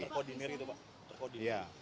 terkodimer itu pak